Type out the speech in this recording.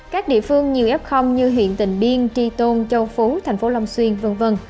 các địa phương nhiều f như huyện tình biên tri tôn châu phú thành phố long xuyên v v